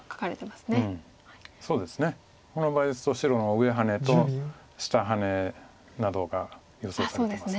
この場合ですと白の上ハネと下ハネなどが予想されてます。